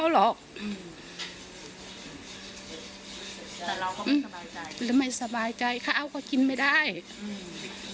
แต่เราก็ไม่สบายใจหรือไม่สบายใจข้าวก็กินไม่ได้อืม